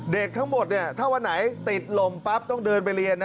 เด็กทั้งหมดถ้าวันไหนติดลมปั๊บต้องเดินไปเรียนนะ